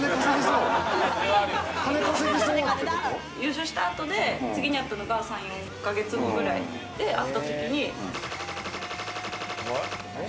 優勝した後で、次に会ったのが３４か月後ぐらいで、会ったときに○○。